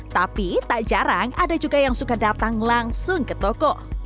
tapi tak jarang ada juga yang suka datang langsung ke toko